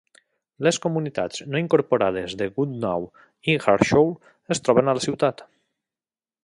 Les comunitats no incorporades de Goodnow i Harshaw es troben a la ciutat.